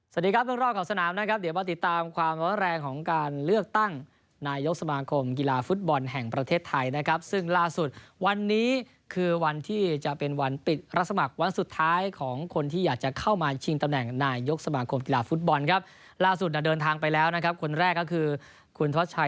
สวัสดีครับเรื่องรอบขอบสนามนะครับเดี๋ยวมาติดตามความร้อนแรงของการเลือกตั้งนายกสมาคมกีฬาฟุตบอลแห่งประเทศไทยนะครับซึ่งล่าสุดวันนี้คือวันที่จะเป็นวันปิดรับสมัครวันสุดท้ายของคนที่อยากจะเข้ามาชิงตำแหน่งนายยกสมาคมกีฬาฟุตบอลครับล่าสุดเดินทางไปแล้วนะครับคนแรกก็คือคุณทัชชัย